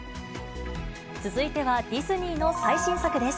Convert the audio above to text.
続いてはディズニーの最新作です。